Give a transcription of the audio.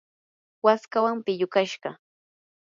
waskawan pillukashqa.